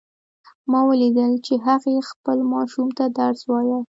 ما ولیدل چې هغې خپل ماشوم ته درس وایه